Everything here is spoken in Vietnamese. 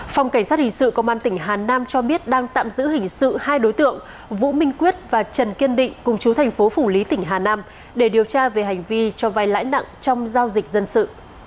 phòng cảnh sát hình sự công an tỉnh hà nam cho biết đang tạm giữ hình sự hai đối tượng vũ minh quyết và trần kiên định cùng chú thành phố phủ lý tỉnh hà nam để điều tra về hành vi cho vai lãi nặng trong giao dịch dân sự